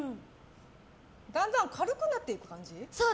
だんだん軽くなっていく感じ？